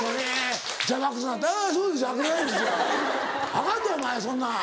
アカンでお前そんなん。